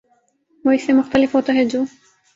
وہ اس سے مختلف ہوتا ہے جو